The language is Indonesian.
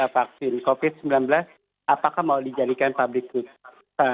vaksin covid sembilan belas apakah mau dijadikan public good